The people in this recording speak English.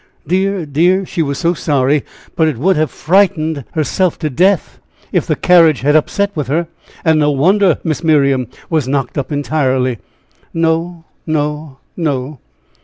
Dear, dear! she was so sorry, but it would have frightened herself to death if the carriage had upset with her, and no wonder Miss Miriam was knocked up entirely." "No, no, no!"